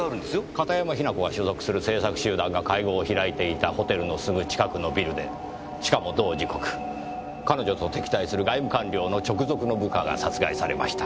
片山雛子が所属する政策集団が会合を開いていたホテルのすぐ近くのビルでしかも同時刻彼女と敵対する外務官僚の直属の部下が殺害されました。